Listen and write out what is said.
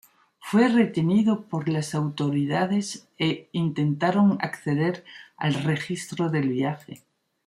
Fue retenido por las autoridades e intentaron acceder al registro del viaje.